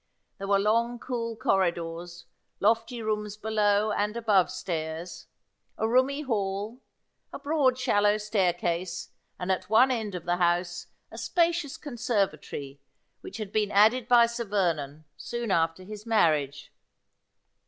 There were long cool corridors, lofty rooms below and above stairs, a roomy hall, a broad shallow staircase, and at one end of the house a spacious conservatory which had been added by Sir Vernon soon after his marriage.